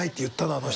あの人。